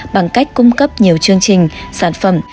bằng cách cung cấp nhiều chương trình sản phẩm